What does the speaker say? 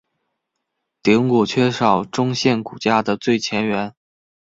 顶骨缺少中线骨架的最前缘。